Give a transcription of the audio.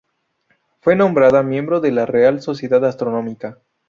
Fue nombrado miembro de la Real Sociedad Astronómica.